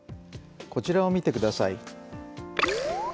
こちらを見てください。